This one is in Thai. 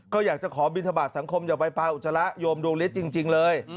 ก็อยากจะขอบินทบาทสังคมอย่าไปปลาอุจจาระโยมดวงฤทธิ์จริงเลย